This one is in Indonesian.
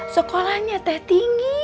sekolahnya teh tinggi